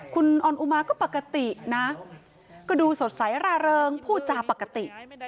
คุณออนอุมาก็ปกตินะก็ดูสดใสร่าเริงพูดจาปกติ